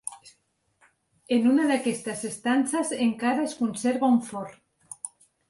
En una d'aquestes estances encara es conserva un forn.